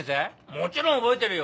もちろん覚えてるよ。